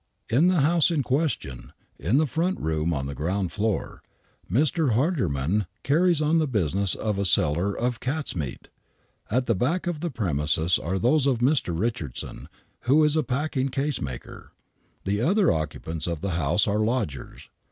In the house in question, in the front room on the ground floor,, Mr. Harderman carries on the business of a seller of catsmeat. At the back of the premises are those of Mr. Richardson, who is a packing case maker. The other occupants of the house are lodgers.